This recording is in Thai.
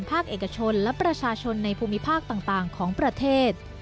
ภาคเอกชนและประชาชนในภูมิภาคต่างของประเทศ